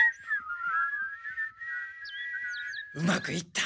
うまくいった。